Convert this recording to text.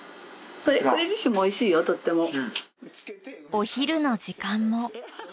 お昼の時間も。